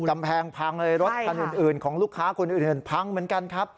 กำแพงพังเลยรถคันอื่นของลูกค้าคนอื่นพังเหมือนกันครับ